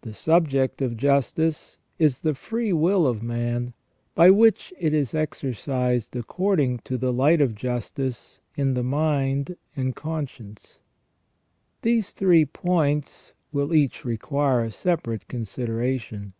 The subject of justice is the free will of man, by which it is exercised according to the light of justice in the mind and conscience. These three points will each require a separate consideration.